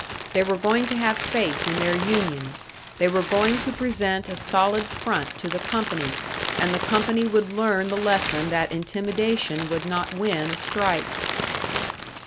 They were going to have faith in their union; they were going to present a solid front to the company, and the company would learn the lesson that intimidation would not win a strike.